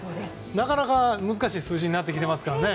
なかなか難しい数字になってきていますからね。